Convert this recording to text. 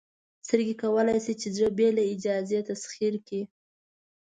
سترګې کولی شي چې زړه بې له اجازې تسخیر کړي.